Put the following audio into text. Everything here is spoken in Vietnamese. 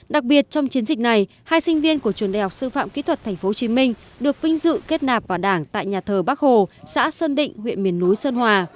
đặc biệt trong chiến dịch này hai sinh viên của trường đại học sư phạm kỹ thuật tp hcm được vinh dự kết nạp vào đảng tại nhà thờ bắc hồ xã sơn định huyện miền núi sơn hòa